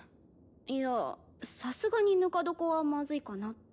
いやさすがにぬか床はまずいかなって。